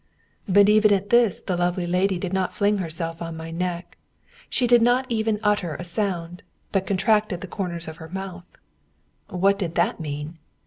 But even at this the lovely lady did not fling herself on my neck. She did not even utter a sound, but contracted the corners of her mouth. What did that mean?